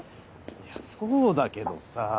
いやそうだけどさ。